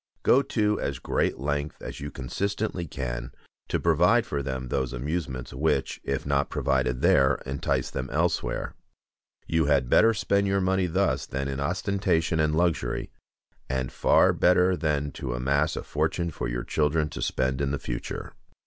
Go to as great length as you consistently can to provide for them those amusements, which, if not provided there, entice them elsewhere. You had better spend your money thus than in ostentation and luxury, and far better than to amass a fortune for your children to spend in the future.